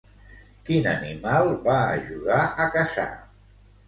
Quin animal va ajudar a caçar?